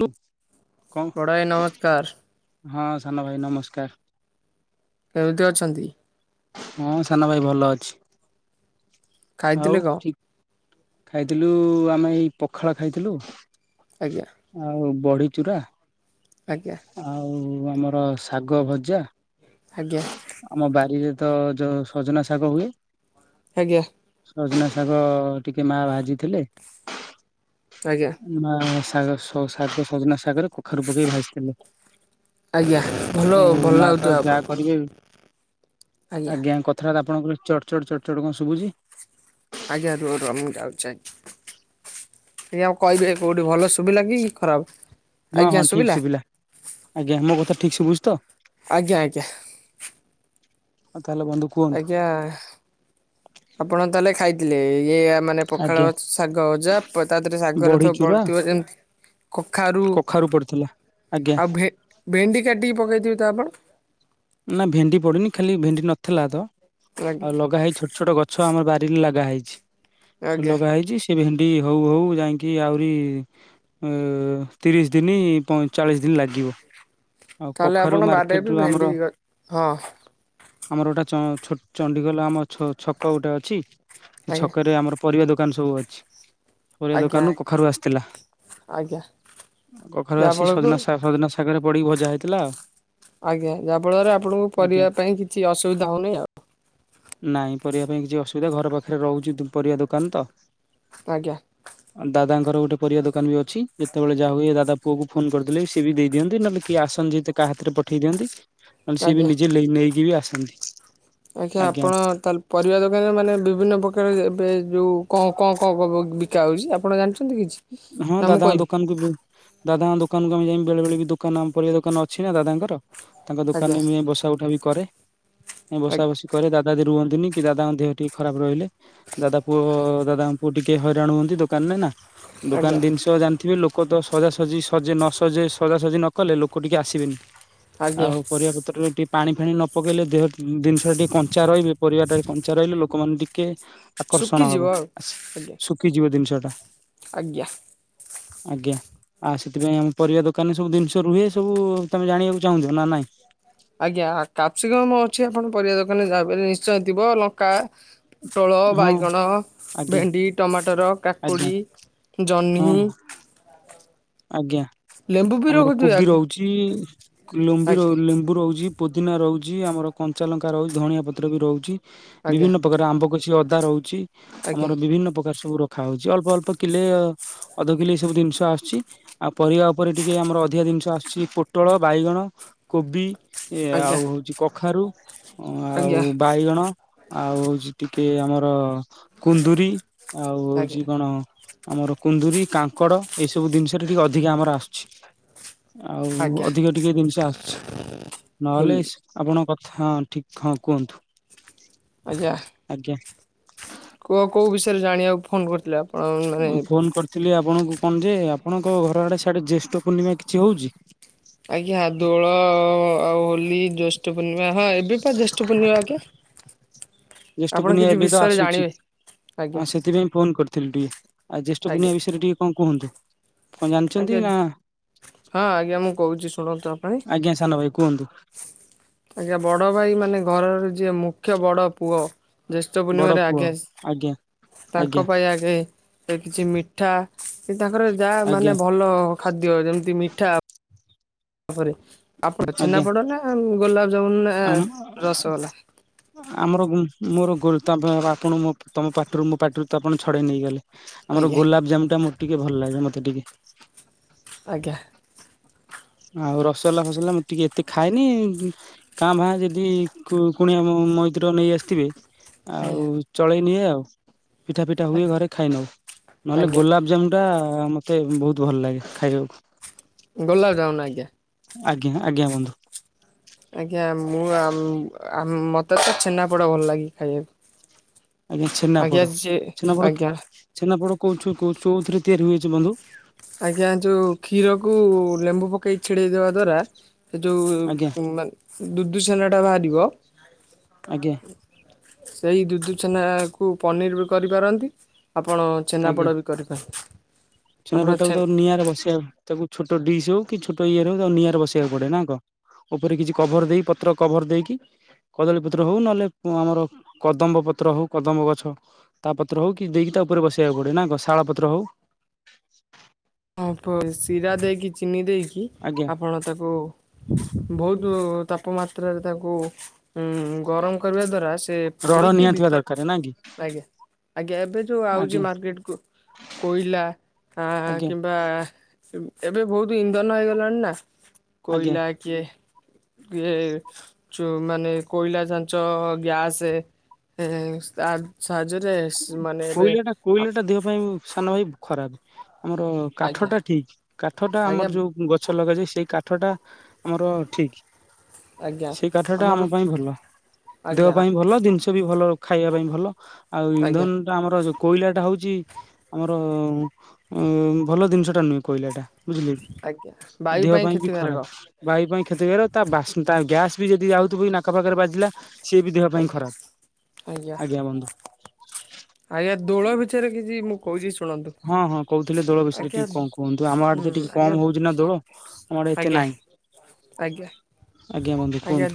ଲୁ କଣ ପଡ଼ଭାଇ ନମସ୍କାର। ହଁ ସାନ ଭାଇ ନମସ୍କାର। କେମିତି ଅଛନ୍ତି? ହଁ ସାନ ଭାଇ ଭଲ ଅଛି? ଆଉ ଖାଇଥିଲେ କଣ? ଠିକ ଖାଇଥିଲୁ ଆମେ ଏଇ ପଖାଳ ଖାଇଥିଲୁ ଆଜ୍ଞା ଆଉ। ବଢ଼ିଚୂୁରା ଆଜ୍ଞା ଆଉ ଆମର ଶାଗ ଭଜା ଆଜ୍ଞା। ଆମ ବାରିରେ ତ ଯୋଉ ସଜନା ଶାଗ ହୁଏ ଆଜ୍ଞା। ସଜନା ଶାଗର ଟିକେ ମା ଭଜିଥିଲେ ଆଜ୍ଞା ମା ଶାଗ ସଜନା ଶାଗରେ କୋଖାରୁ ପକେଇ ଭାଜିଥିଲେ। ଆଜ୍ଞା ଭଲ ହଉ ଭଲ ମା ଲାଗୁଥିବ ତ ଯାହା ଆପଣଙ୍କୁ କରିବେ ଆଜ୍ଞା କଥାବାର୍ତା ଆପଣଙ୍କର ଚ ଚଟ ଚଟ ଚଟ କଣ ଶୁଭୁଛି। ଆଜ୍ଞା ରୁହ ରୁହ ମୁଁ ଯାଉଛି ଆଉ କହିବି କୋଉଠି ଭଲ ଶୁଭିଲା କି ଖରାପ ହଁ ଆଜ୍ଞା ଶୁଭିଲା। ଠିକ୍ ବୁଝ ତ ଆଜ୍ଞା ଆଜ୍ଞା। ଆଉ ତାହେଲେ ବନ୍ଧୁ କୁହନ୍ତୁ ଆଜ୍ଞା ଆପଣ ତାହେଲେ ଖାଇଥିଲେ ଇଏ ମାନେ ପଖାଳ ଆଜ୍ଞା ଶାଗଜା ତା ଦେହରେ ଶାଗରେ ବଢି ବ ଚୁରା ଥିବ ଯେମତି କଖାରୁ ପଡିଥିଲା। ଆଜ୍ଞା ଆଉ ଭେଣ୍ଡିିକା ଟିକେ ପକାଇଥିବେ ତ ଆପଣ ନା ଭେଣ୍ଡି ପଡୁନି ଖାଲି ଭେଣ୍ଡି ନଥିଲା ତ ଆଜ୍ଞା ଆଉ ଲଗା ହେଇଛି ଛୋଟ ଛୋଟ ଗଛ ଆମର ବାରି ଲଗା ହେଇଛି ଆଜ୍ଞା ଲଗା ହେଇଛି ସେ ଭେଣ୍ଡି ହଉ ହଉ ଯାଇକି ଆହୁରି ଅ ତିରିଶ ଦିନ ପ ଚାଳିଶ ଦିନ ଲାଗିବ। ଆଉ ତାହେଲେ କଖାରୁ ଆପଣ ବେ ମାର୍କେଟରୁ ବି ଆମର ଭେଣ୍ଡିଇ ହଁ ଆମର ଗୋଟେ ଚଣ୍ଡିଗୋଲ ଆମ ଛକ ଗୋଟେ ଅଛି ଆଜ୍ଞା ଛକରେ ଆମର ପରିବା ଦ ଦାନ ସବୁ ଅଛି। ଆଜ୍ଞା ଦୋକାନରୁ ଆଜ୍ଞା କଖାରୁ ଆସିଥିଲା ଆଜ୍ଞା କଖାରୁ ଆସି ଯାହାଫଳକୁ ସଜନା ଶାଗ ସଜନା ଶାଗ ସାଙ୍ଗରେ ପଡ଼ିକି ଭଜା ହେଇଥିଲା ଆଉ। ଆଜ୍ଞା ଯାହାଫଳରେ ଆପଣଙ୍କୁ ଆଜ୍ଞା। ପରିବା ପାଇଁ କିଛି ଅସୁବିଧା ହଉନିଁ ଆଉ। ନାଇଁ ପରିବା ପାଇଁ କିଛି ଅସୁବିଧା ଘର ପାଖରେ ରହୁଛି ପରିବା ଦୋକାନ ତ। ଆଜ୍ଞା ଦାଦା ର ଗୋଟ ପରିବା ଦୋକାନ ଅଛି ଯେତେବଳେ ଯହା ହୁଏ ଦାଦା ପୁଅ ଙ୍କୁ ଫୋନ କରିଦେଲେ ସି ବି ଦେଇିଅନ୍ତି ନହଲେ କି ଆସନ୍ତି ହାତରେ ପଠେଇ ଦିଅନ୍ତିହଲେ ସିଏ ଆଜ୍ଞା ବି ନିଜେ ନେଇକି ବି ଆସନ୍ତି। ଆଜ୍ଞା ଆପଣ ତା ପରିବା ଦୋକାନରେ ମାନେ ବିଭିନ୍ନ ପ୍ରକାର ଏବେ ଯେଉଁ କଣ କଣ କଣ ବିକା ହେଉଛି ଆପଣ ଜାଣିୁ ହଁ ଦାଦାଙ୍କ ଦୋକାନକୁୁ ବି ଦାଦାଙ୍କ ଦୋକାନକୁ ଆମେ ଯାଇ ବେଳେ ବଳେ ବି ଦୋକାନ ଆମ ପରିବା ଦୋକାନ ଅଛି ନା ଦାର ତାଙ୍କ ଆଜ୍ଞା ଦୋକାନରେ ଯାଇ ବସା ଉଠା ବି କରେ ବସା ଆଜ୍ଞା ବସି କରେ ଦାଦାଦି ରୁହନ୍ତି ଦନୀ କି ଦାଦାଙ୍କ ଦେହ ଟିକେ ଖରାପ ରହିଲେ ଦାଦା ପୁଅ ଦାଦାଙ୍କ ପୁଅ ଟିକେ ହଇରାଣ ହୁଅନ୍ତି ଦୋକାନରେ ନା। ଆଜ୍ଞା ଦୋକାନ ଦିନିଷହ ଜାଣିଥିବେ ଲୋକ ଲୋକ ତ ସଜାସଜି ସଜେ ନସଜେ ସଜାସଜି ନ କଲେ ଲୋକ ଟିକେ ଆସିବେନି। ଆଜ୍ଞା ଆଉ ପରିବା ପତ୍ରରେ ଟିକେ ପାଣି ଫାଣି ନ ପକେଇଲେ ଦେହ ଜିନିଷ ଟା ଟିକେ କଞ୍ଚା ରହିବେ ପରିବା ଟାରେ କଞ୍ଚା ରହିଲେ ଲୋକ ମାନ ଟିକେ ଆକର୍ଷଣ ହବ ଶୁଖିଯିବ ଆଉ ଆଜ୍ଞା ଶୁଖିଯିବ ଜିନିଷ ଟା ଆଜ୍ଞା। ଆଜ୍ଞା। ଆଉ ସେଥିପାଇଁ ଆମ ପରିବା ଦୋକାନରେ ସବୁ ଜିନିଷ ରୁହେ ସବୁ ତମେ ଜାଣିବାକୁ ଚାହୁଁଥିବ ନା ନାଇଁ ଆଜ୍ଞା କାପ୍ସଗମ ଅଛି ଆପଣ ପରିବା ଦୋକାନରେ ଯ ନିଶ୍ଚୟ ଥିବ ଲଙ୍କା ୋଳ ହଁ ବାଇଗଣ ଆଜ୍ଞା ଭେଣ୍ଡି ଟମାଟର ଆଜ୍ଞା କାକୁଡ଼ି ଜହ୍ନି ହଁ ଆଜ୍ଞା ଲେମ୍ବୁ ବି ଆମର ରଖୁଥିବେ କୋବି ଆଜ୍ଞା ରହୁଛି ଲେମ୍ବି ର ଲେମ୍ବୁ ରହୁଛି। ପୁଦିନା ରହୁଛି ଆମର କଞ୍ଚା ଲଙ୍କା ରହୁଛି ଧଣିଆ ପତ୍ର ବି ରହୁଛି ଆଜ୍ଞା ବିଭିନ୍ନ ପ୍ରକାର ଆମ୍ବ କ କିଛି ଅଦା ରହୁଛି ଆଜ୍ଞା ଆମର ବିଭିନ୍ନ ପ୍ରକାର ସବୁ ରଖା ହଉଛି ଅଳ୍ପ ଅଳ୍ପ କିଲେ-ଏ-ଏ ଅଧ କିଲେ ସବୁ ଜିନିଷ ଆସୁଛି। ଆଉ ପରିବା ଉପରେ ଟିକେ ଆମର ଅଧିକା ଜିନିଷ ଆସୁଛି ପୋଟଳ, ବାଇଗଣ, କୋବି। ଏ ଆଜ୍ଞା ଆଜ୍ଞା ଆଉ ହଉଛି କଖାରୁ ଅ-ଅ ଆଉ ଆଜ୍ଞା ବାଇଗଣ ଆଉ ହଉଛି ଟି କି ଆମର କୁନ୍ଦୁରି ଆଉ ଆଜ୍ଞା ହଉଛି କଣ ଆମର କୁନ୍ଦୁରି, କାଙ୍କଡ ଏଇ ସବୁ ଜିନିଷରେ ଟିକେ ଅଧିକା ଆମର ଆସୁଛି। ଆଉ ଆଜ୍ଞା ଅଧିକ ଟିକେ ଜିନିଷ ଆସୁଛି ଭୁଲ ନହେଲେ ସେ ଆପଣଙ୍କ ହଁ ଠିକ ହଁ କୁହନ୍ତୁ। ଆଜ୍ଞା। ଆଜ୍ଞା କୁହ କୋଉ ବିଷୟରେ ଜାଣିବାକୁ ଫୋନ କରିଥିଲ? ଅଁ, ଫୋନ୍ କରିଥିଲି ଆପଣଙ୍କୁ। କଣ ଯେ, ଆପଣଙ୍କ ଘର ଆଡେ ସିଆଡେ ଜ୍ୟେଷ୍ଠ ପୂର୍ଣ୍ଣିମା କିଛି ହଉଛି? ଆଜ୍ଞା ଦୋଳ-ଓ-ଓ-ଓ ଆଉ ହୋଲି ଜ୍ୟେଷ୍ଠ ପୂର୍ଣ୍ଣିମା, ହଁ ଏବେ ପା ଜ୍ୟେଷ୍ଠ ପୂର୍ଣ୍ଣିମା ଆଜ୍ଞା। ଆପଣ ଜ୍ୟେଷ୍ଠପୂର୍ଣ୍ଣିମା କିଛି ଏବେ ତ ବିଷୟରେ ଆସୁଛି ଜାଣିବେ ଆଜ୍ଞା ହଁ ସେଥିପାଇଁ ଫୋନ କରି ଥିଲି ଟିକେ ଆଉ ଆଜ୍ଞା ଜ୍ୟେଷ୍ଠପୂର୍ଣ୍ଣିମା ବିଷୟରେ ଟିକେ କଣ କୁହନ୍ତୁ। କଣ ଜାଣିଛନ୍ତି ଆଜ୍ଞା ନା ହଁ ଆଜ୍ଞା ମୁଁ କହୁଛି ଶୁଣନ୍ତୁ ଆ ପାଇଁ ଆଜ୍ଞା ସାନ ଭାଇ କୁହନ୍ତୁ ଆଜ୍ଞା ବଡ ଭାଇ ମାନେ ଘରର ଯିଏ ମୁଖ୍ୟ ବଡ ପୁଅ ଜ୍ୟେଷ୍ଠ ବଡ ପୂର୍ଣ୍ଣିମାରେ ପୁଅ ଆଗେ ଆସ, ଆଜ୍ଞା ଆଜ୍ଞା ତାଙ୍କ ପାଇଁ ଆଗେ କିଛି ମିଠା କି ତାଙ୍କର ଯାହା ଆଜ୍ଞା ମାନେ ଭଲ-ଅ-ଅ ଖାଦ୍ୟ ଯେମିତି ମିଠା ତାପରେ ଆପରେ ଛେନା ଆଜ୍ଞା ପୋଡ ନା ଗୋଲାପ ଆମ ଆମର ଉ ମୋର [unintelligible] ଆପଣ ମ ତମ ପାଟିରୁ ମୋ ପାଟିରୁ ତ ଆପଣ ଛଡ଼େଇ ନେଇଗଲେ। ଆମର ଆଜ୍ଞା ଗୋଲାପ ଜାମୁ ଟା ମତ ଟିକେ ଭଲ ଲାଗେ ମତେ ଟିକେ। ଆଜ୍ଞା। ଆଉ ରସୋଗୋଲା ଫସଗୋଲା ମୁଁ ଟିକେ ଏତେ ଖାଏନି। କାଁ ଭା ଯଦି କୁ କୁଣିଆମ ମଇିତର ନେଇ ଆସିଥିବେ ଆଜ୍ଞା ଆଉ ଚଳେଇ ନିଏ ଆଉ। ପିଠା ପିଠା ହୁଏ ଆଜ୍ଞା ଘରେ ଖାଇ ନଉ। ନହେଲେ ଆଜ୍ଞା ଗୋଲାପ ଜାମୁ ଟା-ଆ-ଆ ହ ମତେ ବହୁତ ଭଲ ଲାଗେ ଖାଇବାକୁ। ଗୋଲାପଜାମୁନ ଆଜ୍ଞା ଆଜ୍ଞା ଆଜ୍ଞା ବନ୍ଧୁ। ଆଜ୍ଞା ମୁଁ ଆମ୍ ଆମ୍ ମତେ ତ ଛେନାପୋଡା ଭଲ ଲାଗେ ଖାଇବାକୁ। ଆଜ୍ଞା ଆଜ୍ଞା ଛେନାପୋଡ ସିଏ ଛେନାପୋଡ ଆଜ୍ଞା ଛେନାପୋଡ କଉ କଉଠୁ କୋଉଥୀରୁ ତିଆରି ହୋଇଛି ବନ୍ଧୁ। କୁ ଲେମ୍ବୁ ପକେଇ ଛିଡେଇଦବା ଦ୍ଵାରା ସେ ଆଜ୍ଞା ଜଉ-ଉ-ଉ ମାନେ ଦୁଦୁସେନା ଟା ବାହାରିବ। ଆଜ୍ଞା। ସେଇ ଦୁଧୁ ଛେନାକୁ ପନିର ବି କରିପାରନ୍ତି। ଆପଣ ଛେନାପୋଡ଼ ବି କରିପା ଛେନାପୋଡାଟକୁ ତାକୁ ନିଆଁରେ ବସେଇବାକୁ ତାକୁ ଛୋଟ ଡିସ୍ ହଉ କି ଛୋଟ ଇୟରେ ହଉ ନିଆଁରେ ବସେଇବାକୁ ପଡେ ନା କଣ? ଉପରେ କିଛି କଭର ଦେଇକି ପତ୍ର କଭର ଦେଇକି କଦଳୀ ପତ୍ର ହଉ ନହେଲେ ଓ ଆମର କଦମ୍ବ ପତ୍ର ହଉ କଦମ୍ବ ଗଛ ତା ପତ୍ର ହଉ କି ଦେଇକି ତା ତା ଉପରେ ବସେଇବାକୁ ପଡେ ନା କଣ? ଶାଳ ପତ୍ର ହଉ କ ଶିରା ଦେଇକି ଚିନି ଦେଇକି ଆଜ୍ଞା ଆପଣ ତାକୁ ବହୁତୁ ତାପମାତ୍ରାରେ ତାକୁ ଉଁ ଗରମ କରିବା ଦ୍ଵାରା ସେ ରଡ ପୁଡିକି ନିଆଁ ଥିବା ଭିତର ଦରକାର ନା କି ଆଜ୍ଞା, ଆଜ୍ଞା ଏବେ ଯୋଉ ଆଉଚି ଆଜ୍ଞା ମାର୍କେଟ୍ କୁ କୋଇଲା ଆଁ, ଆଜ୍ଞା ବା ଏବ୍ ଏବେ ବହୁତୁ ଇନ୍ଧନ ହେଇଗଲାଣି ନା ଆଜ୍ଞା କୋଇଲା କିଏ ଇଏ ଚୁ ମାନେ କୋଇଲା ଛାଞ୍ଚ ଗ୍ୟାସେ [unintelligible] କୋଇଲା ଟା କୋଇଲା ଟା ଦେହ ପାଇଁ ସାନ ଭାଇ ଖରାପ। ଆମର କାଠ ଆଜ୍ଞା ଟା ଠିକ କାଠଟା ଆମର ଆଜ୍ଞା ଯୋଉ ଗଛ ଲଗାଯାଏ ସେଇ କା କାଠଟା ଆମର ଠିକ୍। ଆଜ୍ଞା ସେଇ କାଠ ଟା ଆମର ଆମ ପାଇଁ ଭଲ। ଦେହ ଆଜ୍ଞା ପାଇଁ ଭଲ। ଦିନିଷ ବି ଭଲ। ଖାଇବା ପାଇଁ ଭଲ। ଆଉ ଇନ୍ଧନ ଆଜ୍ଞା ଟା ଆମର ଯୋଉ କୋଇଲାଟା ହଉ ଚି ଆମର ଉଁ, ଏ ଭଲ ଦିନିଷ ଟା ନି ଖୋଇଲେ ଏଟା। ବୁଝିଲେ, ଆଜ୍ଞା ଏ ବାୟୁ ଦେହ ପାଇଁ ବି କ୍ଷତିକାରକ ଖରାପ। ବାଇ ପାଇଁ କ୍ଷତି କରକ୍ ତା ବାସ୍ ତା ଗ୍ୟାସ୍ ବି ଯଦି ଯାଉଥିବ ନାକ ପାାଖରେ ବାଜିଲା ସିଏ ବି ଦେହ ପାଇଁ ଆଜ୍ଞା ଖରାପ ଆଜ୍ଞା ବନ୍ଧୁ। ଆଜ୍ଞା ଦୋଳ ବିଛୟରେ କିଛି ମୁଁ କହୁଚି ଶୁ ହଁ, ହଁ କହୁଥିଲେ ଦୋଳ ବିଷୟରେ ଟିକେ କଣ କୁହନ୍ତୁ? ଆମ ହୁଁ ଆଡେ ତ ଟିକେ ଆଜ୍ଞା କମ ହଉଚି ନା ଦୋଳ। ଆମ ଆଡେ ଏତେ ଆଜ୍ଞା ନାହିଁ ଆଜ୍ଞା ଆଜ୍ଞା ବନ୍ଧୁ ଆଜ୍ଞା କୁହନ୍ତୁ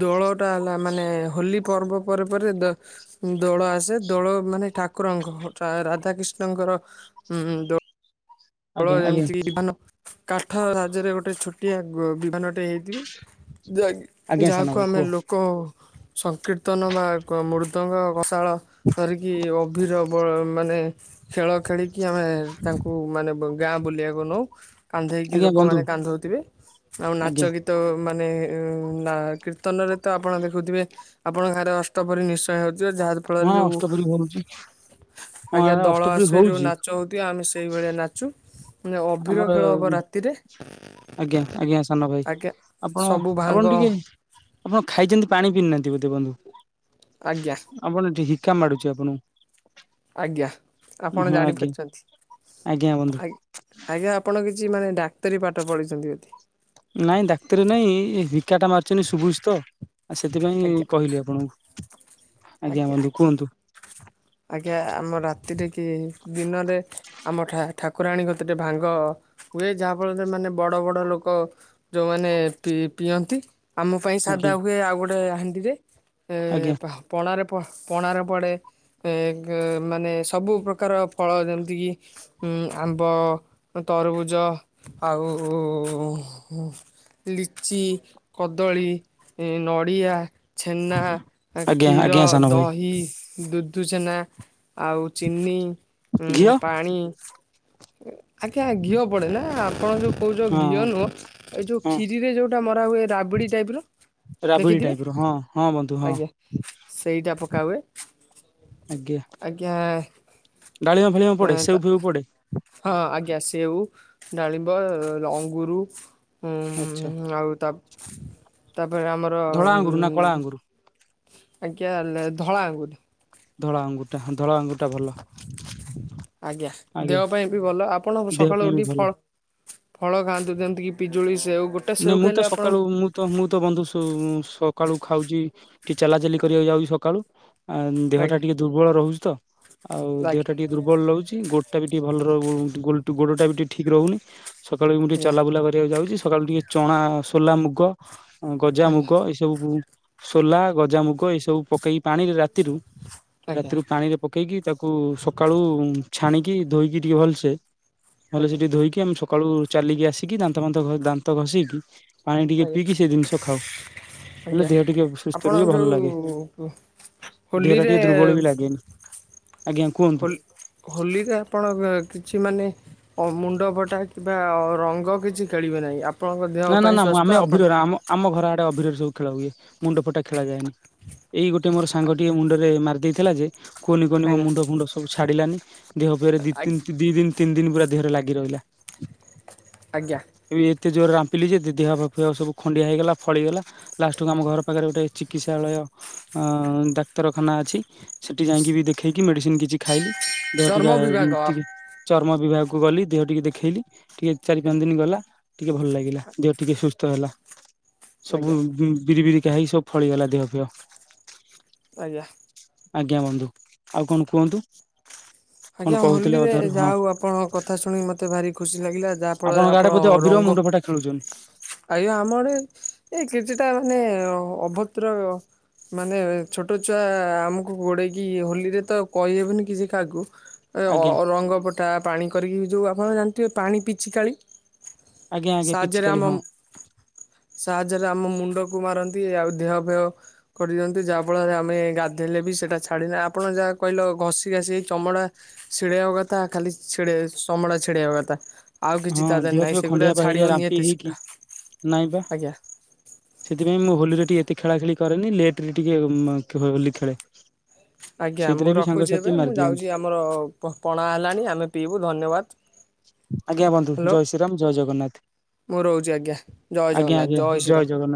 ଦୋଳଟା ହେଲା ମାନେ-ଏ-ଏ ହୋଲି ପର୍ବ ପରେ ପରେ ଦ ଦୋଳ ଆସେ। ଦୋଳ ମାନେ ଠାକୁରଙ୍କ ରାଧାକୃିଷ୍ଣଙ୍କର ଉଁ ଦୋ ଳ ଆଜ୍ଞା ଆଜ୍ଞା ଯେମିତି କି ବିମାନ କାଠ ସାହାଯ୍ୟରେ ଗୋଟେ ଛୋଟିଆ ଗ ବିମାନ ଟେ ହେଇଥିବି ଯାହାକି ଆଜ୍ଞା ସାନ ଯାହାକୁ ଭାଇ ଆମେ କୁହ ଲୋକ-ଓ-ଓ ସଂକୀର୍ତ୍ତନ ବା ଗ ମୃଦଙ୍ଗ କଷାଳ ଧରିକି ଅଭୀର ବୋଳ ମାନେ ଖେଳ ଖେଳିକି ଆମେ ତାଙ୍କୁ ମାନେ ମ ଗାଁ ବୁଲିବାକୁ ନଉ। କାନ୍ଧେଇକି ଆଜ୍ଞା ବନ୍ଧୁ। ଲୋକମାନେ କାନ୍ଧଉଥୀବେ ଆଉ ନାଚ ଆଜ୍ଞା ଗୀତ ମାନେ-ଏ-ଏ-ଏ-ଏ ନା କୀର୍ତ୍ତନରେ ତ ଆପଣ ଦେଖୁଥିବେ ଆପଣଙ୍କ ଗାଁରେ ଅଷ୍ଟପହରି ନିଶ୍ଚୟ ହେଉ ଯେ ଯାହାର ଫଳରେ ହଁ ଯେଉଁ ଅଷ୍ଟପ୍ରହରୀ ହଉଛି ଆମ ଆଜ୍ଞା ଆଡେ ଦଳ ଅଷ୍ଟପ୍ରହରୀ ଆସିବେ ଯୋଉ ହଉଛି ନାଚ ହଉଥିବ ଆମେ ସେଇଭଳିଆ ନାଚୁ। ମାନେ ଅଭିିର ଆମର ଖେଳ ହବ ରାତିରେ ଆଜ୍ଞା ଆଜ୍ଞା ସାନ ଭାଇ ଆଜ୍ଞା ଆପଣ ସବୁ ଆପଣ ଭାଙ୍ଗ ଟିକେ ଆପଣ ଖାଇଛନ୍ତି ପାଣି ପିଇନାହାନ୍ତି ବୋଧେ ବନ୍ଧୁ, ଆଜ୍ଞା ଆପଣ ଟିକେ ହିକା ମାଡୁଛି ଆପଣଙ୍କୁ। ଆଜ୍ଞା ଆପଣ ହଁ ଜାଣି ଆଜ୍ଞା ପାରୁଛନ୍ତି। ଆଜ୍ଞା ବନ୍ଧୁ ଆ ଆଜ୍ଞା ଆପଣ କି ଜି ମାନେ ଡାକ୍ତରୀ ପାଠ ପଢ଼ିଛନ୍ତି ବୋଧେ। ନାଇଁ ଡାକ୍ତରୀ ନାଇଁ ହିକା ଟା ମାରୁଛନ୍ତି ସୁବୁଚି ତ। ଆ ସେଥିପାଇଁ ଆଜ୍ଞା କହିଲି ଆପଣଙ୍କୁ। ଆଜ୍ଞା ବନ୍ଧୁ ଆଜ୍ଞା କୁହନ୍ତୁ ଆଜ୍ଞା ଆମ ରାତି ରାତିରେ କି ଦିନରେ ଆମ ଠାକୁରାଣୀ ଗତିରେ ଭାଙ୍ଗ ହୁଏ ଯାହାଫଳରେ ମାନେ ବଡ ବଡ ଲୋକ ଯୋଉମାନେ ପି ପିଅନ୍ତି ମାନେ ଆମ ପାଇଁ ସାଧା ଆଜ୍ଞା। ହୁଏ ଆଉ ଗୋଟେ ହାଣ୍ଡିରେ ଏ ଆଜ୍ଞା ପଣାରେ ପ ପଣାରେ ପଡ଼େ ଏ ଗେ ମାନେ ସବୁ ପ୍ରକାର ଫଳ ଯେମିତିକି ଆମ୍ବ ତରବୁଜ ଆଉ ଲିଚି, କଦଳୀ, ନଡ଼ିଆ, ଛେନା ଆଜ୍ଞା କ୍ଷୀର, ଆଜ୍ଞା ସାନ ଭାଇ ଦହି, ଦୁଦୁଛେନା ଆଉ ଚିନି, ଘିଅ ପାଣି ଆଜ୍ଞା ଘିଅ ପଡେ ନା ଆପଣ ଯୋଉ କହୁଛ ହଁ ଘିଅ ନୁହଁ ଏଇ ଯୋଉ ହଁ କ୍ଷୀରିରେ ଯୋଉଟା ମରା ହୁଏ ରାବି ବିଡ଼ି ଟାଇପ୍ ର ରାବିଡି ଦେଖିଥିବେ ଟାଇପ ର ହଁ ହଁ ବନ୍ଧୁ ହଁ। ଆଜ୍ଞା। ସେଇଟା ପକା ହୁଏ ଆଜ୍ଞା ଆଜ୍ଞା। ଡାଳିମ୍ବ ଫାଳିଆ ପଡେ ତା ସେଉ ଫେଉ ପଡେ? ହଁ ଆଞା ସେଉ ଡାଳିମ୍ବ ଅଙ୍ଗୁରୁ। ଆଚ୍ଛା ହୁଁ ଆଉ ତା ତାପରେ ଆମର ଧଳା ଆଙ୍ଗୁରୁ ନା କଳା ଉୁଁ ଆଙ୍ଗୁରୁ ଆଜ୍ଞା ହେଲେ ଧଳା ଆଙ୍ଗୁରୁ। ଧଳା ଆଙ୍ଗୁଠା ହ ଟା ଭଲ। ଆଜ୍ଞା ଆଜ୍ଞା ଦେହ ପାଇଁ ବି ଭଲ ଆପଣ ଦେହ ସକାଳୁ ପାଇଁ ବି ଉଠିକି ଭଲ ଫଳ ଫଳ ଖାଆନ୍ତୁ ଯେମିତି କି ନା ମୁଁ ତ ସକାଳୁ ମୁଁ ତ ମୁଁ ତ ବନ୍ଧୁ ସୁ ସ ସକାଳୁ ଖାଉଛି ଟିକେ ଚାଲାଚାଲି କରିବାକୁ ଯାଉଛି ସକାଳୁ ଆଜ୍ଞା ଦେହଟା ଟିକିେ ଦୁର୍ବଳ ରହୁଛି ତ ଆଉ ଆଜ୍ଞା ଦେହଟା ଟିକେ ଦୁର୍ବଳ ରହୁଛି ଗୋଡଟା ବି ଟିକେ ଭଲ ରହୁ ଗୋଡ ଟା ବି ଟିକେ ଠିକ ରହୁନି ସକାଳୁ ବି ମୁଁ ଟିକେ ଚଲାବୁଲା କରିବାକୁ ଯାଉଛି ସକାଳୁ ଟିକେ ଚଣା ସୋଲା ମୁଗ ଆଜ୍ଞା ଆଜ୍ଞା ଗଜାମୁଗ ଏସବୁ ସୋଲା ଗଜାମୁଗ ଏସବୁ ପକେଇ ପାଣିରେ ରାତିରୁ ଆଜ୍ଞା ରାତିରୁ ପାଣିରେ ପକେଇକି ତାକୁ ସକାଳୁ ଛାଣିକି ଧୋଇକି ଟିକେ ଭଲସେ ଭଲସେ ଆଜ୍ଞା ଟିକେ ଧୋଇକି ଆମେ ସକାଳୁ ଚାଲିକି ଆସିକି ଦାନ୍ତ ଫାନ୍ତ ଦାନ୍ତ ଘଷିକି ପାଣି ଟିକେ ଆଜ୍ଞା ପିଇକି ସେ ଜିନିଷ ଖାଉ ହେଲେ ଆଜ୍ଞା ଦେହ ଟିକେ ସୁସ୍ଥ ଆପଣ ରୁହେ ଭଲ ଲାଗେ। ଯୋଉ ଦେହଟା ହୋଲିରେ ଟିକେ ଦୁର୍ବଳ ବି ଲାଗେନି। ଆଜ୍ଞା କୁହନ୍ତୁ ହ ହୋଲିରେ ଆପଣ କିଛି ମାନେ ମୁଣ୍ଡ ଫଟା ରଙ୍ଗ କିଛି ଖେଳିବେ ନାହିଁ ଆପଣଙ୍କ ଦେହ ନା ନା ପାଇଁ ନା ମୁଁ ସ୍ୱାସ୍ଥ୍ୟ ଆମେ ଆପଣ ଅଭିର ଆମ ଆମ ଘର ଆଡେ ଅଭିିର ସବୁ ଖେଳ ହୁଏ ମୁଣ୍ଡ ଫଟା ଖେଳାଯାଏନି ଏଇ ଗୋଟେ ମୋର ସାଙ୍ଗଟିଏ ମୁଣ୍ଡରେ ମାରିଦେଇଥିଲା ଯେ କୁନି କୁନି ମୋ ଆଜ୍ଞା ମୁଣ୍ଡ ଫୁଣ୍ଡ ସବୁ ଛାଡିଲାନି ଦେହ ଫେହରେ ଦି ଆଜ୍ଞା ଦି ଦିନ ତିନି ଦିନ ପୁରା ଦେହରେ ଲାଗି ରହିଲା। ଆଜ୍ଞା। ପିଲି ଯେ ଦେହ ଫେହ ସବୁ ଖଣ୍ଡିଆ ହେଇଗଲା ଫଳିଗଲା ଲାଷ୍ଟକୁୁ ଆମ ଘର ପାଖରେ ଗୋଟେ ଚିକିତ୍ସାଳୟ ଅଁ ଡାକ୍ତରଖାନା ଅଛି ସେଠି ଯାଇକି ବି ଦେଖେଇକି ମେଡ଼ିସିନ କିଛି ଖାଇଲି ଦେହ ଟିକେ ଚର୍ମ ବିଭାଗ ଟିକେ ଚର୍ମ ବିଭାଗକୁ ଗଲି ଦେହ ଟିକେ ଦେଖେଇଲି। ଟିକେ ଚାରି ପାଞ୍ଚ ଆଜ୍ଞା ଦିନ ଗଲା ଟିକେ ଭଲ ଲାଗିଲା ଦେହ ଟିକେ ସୁସ୍ଥ ହେଲା। ସବୁ ଆଜ୍ଞା ବି ବିରି ବିରିିକା ହେଇ ସବୁ ଫଳିଗଲା ଦେହ ଫହ। ଆଜ୍ଞା। ଆଜ୍ଞା ବନ୍ଧୁ ଆଉ କଣ କୁହନ୍ତୁ? କଣ ଆଜ୍ଞା କହୁଥିଲେ ହୋଲିରେ ଅଧାରୁ ଯାହା ହଁ ହଉ ଆପଣ କଥା ଶୁଣିିକ ମତେ ଭାରି ଖୁସି ଲାଗିଲା ଯାହା ଫଳରେ ଆପଣଙ୍କ ଆଡେ ଆପଣ ବୋଧେ ଅବିର ରଙ୍ଗ ମୁଣ୍ଡ ଫଟା ଖେଳୁଛନ୍ତି ଆଜ୍ଞା ଆମର ଏଇ କିଛିଟା ମାନେ ଅଭଦ୍ର ମାନେ ଛୋଟ ଛୁଆ ଆମକୁ ଗୋଡେଇକି ହୋଲିରେ ତ କହିହେବନି କିଛି କାହାକୁ। ଆଜ୍ଞା ଏଅ ରଙ୍ଗପଟା ପାଣି କରିକି ଯୋଉ ଆପଣ ଜାଣିଥିବେ ପାଣି ପିଚିକାଳି ଆଜ୍ଞା ଆଜ୍ଞା ପିଚି ସାହାଯ୍ୟରେ କାଳି ହଁ [inaudible] ସାହାଯ୍ୟରେ ଆମ ମୁଣ୍ଡକୁ ମାରନ୍ତି। ଆଉ ଦେହ ଫେହ କରିଦିଅନ୍ତି। ଯାହା ଫଳରେ ଆମେ ଗାଧେଇଲା ଲେ ବି ସେଟା ଛାଡେନା। ଆପଣ ଯାହା କହିଲ ଘଷି ଘାସିହେଇ ଚମଡ଼ା ଛିଡ଼େଇବା କଥା ଖାଲି ଛିଡେ। ଚମଡ଼ା ଛିଡେଇବା କଥା ଆଉ କିଛି ହଁ ତାଧେରେ ଦେହ ନାହିଁ। ଫେହ ସେଗୁରା ଖଣ୍ଡିଆ ପା ହେଇଯାଏ ଛାଡିବନି ରାମ୍ପି ଏତେ ଶୀଘ୍ର। ହେଇକି ନାଇଁ ପା! ଆଜ୍ଞା। ସେଥିପାଇଁ ମୁଁ ହୋଲିରେ ଟିକେ ଏତେ ଖେଳା ଖେଳି କରେନି। ଲେଟ ରେ ଟିକେ ମ ହୋଲି ଖେଳେ। ଆଜ୍ଞା, ମୁଁ ସେଇଥିରେ ବି ରଖୁଛି ଏବେ ସାଙ୍ଗସାଥି ମୁଁ ମାରି ଯାଉଛି, ଦିଅନ୍ତି ଆମର ପଣା ହେଲାଣି। ଆମେ ପିଇବୁ ଧନ୍ୟବାଦ। ଆଜ୍ଞା, ବନ୍ଧୁ ହ୍ୟାଲୋ ଜୟ ଶ୍ରୀରାମ ଜୟ ଜଗନ୍ନାଥ। ମୁଁ ରହୁଛି ଆଜ୍ଞା, ଜୟ ଆଜ୍ଞା ଜଗନ୍ନାଥ ଆଜ୍ଞା ଜୟ ଶ୍ରୀରାମ। ଜଗନ୍ନାଥ।